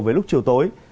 với lúc chiều tối